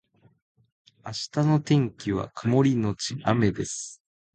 明日の天気は曇りのち雨です